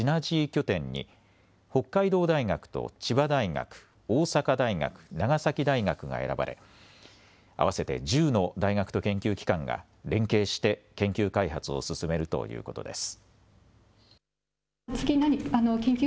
拠点に北海道大学と千葉大学、大阪大学、長崎大学が選ばれ合わせて１０の大学と研究機関が連携して研究開発を進めるということです。